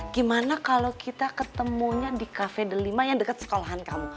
gimana kalau kita ketemunya di cafe delima yang dekat sekolahan kamu